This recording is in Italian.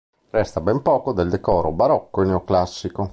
Resta ben poco del decoro barocco e neoclassico.